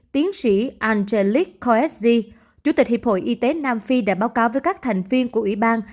tiến sĩ angelique coetzee chủ tịch hiệp hội y tế nam phi đã báo cáo với các thành viên của ủy ban